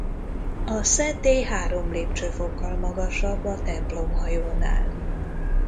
A szentély három lépcsőfokkal magasabb a templomhajónál.